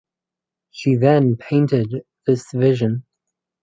She then painted this vision.